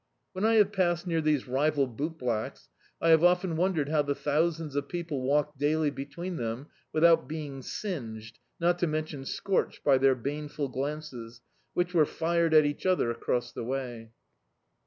When I have passed near these rival bootblacks, I have often won dered how the thousands of people walked daily be tween them without being singed, not to mention scorched, by their baneful glances, which were fired at each other across the way.